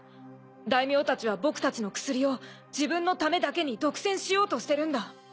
大名たちは僕たちの薬を自分のためだけに独占しようとしてるんだ。